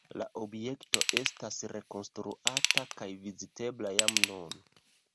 La objekto estas rekonstruata kaj vizitebla jam nun.